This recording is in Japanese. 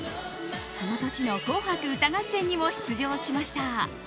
その年の「紅白歌合戦」にも出場しました。